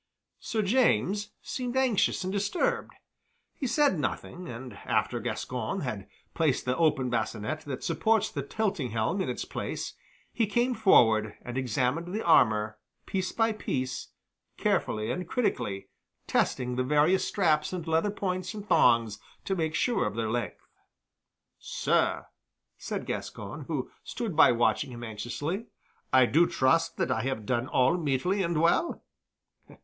Sir James seemed anxious and disturbed. He said nothing, and after Gascoyne had placed the open bascinet that supports the tilting helm in its place, he came forward and examined the armor piece by piece, carefully and critically, testing the various straps and leather points and thongs to make sure of their strength. "Sir," said Gascoyne, who stood by watching him anxiously, "I do trust that I have done all meetly and well."